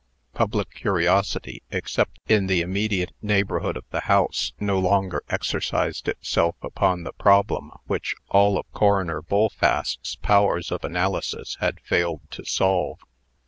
Public curiosity, except in the immediate neighborhood of the house, no longer exercised itself upon the problem which all of Coroner Bullfast's powers of analysis had failed to solve.